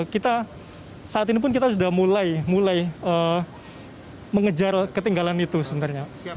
kita saat ini pun kita sudah mulai mengejar ketinggalan itu sebenarnya